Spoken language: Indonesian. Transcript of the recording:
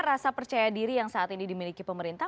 rasa percaya diri yang saat ini dimiliki pemerintah